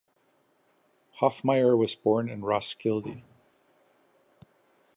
Hoffmeyer was born in Roskilde.